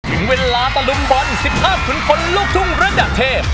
ถึงเวลาตะลุมบอล๑๕ขุนพลลูกทุ่งระดับเทพ